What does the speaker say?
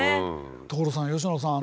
所さん佳乃さん。